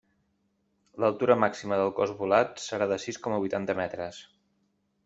L'altura màxima del cos volat serà de sis coma huitanta metres.